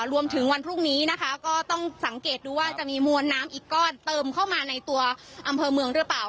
รวมถึงวันพรุ่งนี้นะคะก็ต้องสังเกตดูว่าจะมีมวลน้ำอีกก้อนเติมเข้ามาในตัวอำเภอเมืองหรือเปล่า